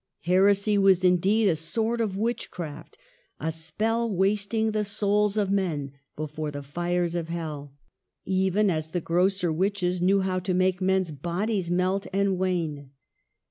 Heresy was, indeed, a sort of witchcraft, a spell wasting the souls of men before the fires of Hell, even as the grosser witches knew how to make men's bodies melt and wane.